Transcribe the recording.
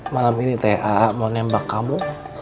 malam ini teh aak mau nembak kamu